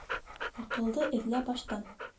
Аҡылды эҙлә баштан.